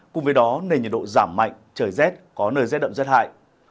cùng với đó nền nhiệt độ giảm mạnh trời rét có nơi rét đậm rét hại